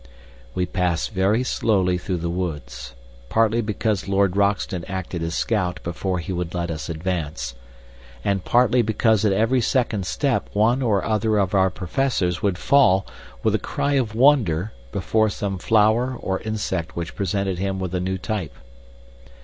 We passed very slowly through the woods, partly because Lord Roxton acted as scout before he would let us advance, and partly because at every second step one or other of our professors would fall, with a cry of wonder, before some flower or insect which presented him with a new type.